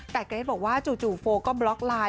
แต่เกรทบอกว่าจู่โฟก็บล็อกไลน์